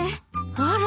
あら。